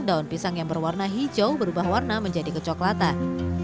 daun pisang yang berwarna hijau berubah warna menjadi kecoklatan